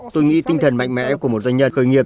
tôi nghĩ tinh thần mạnh mẽ của một doanh nhân khởi nghiệp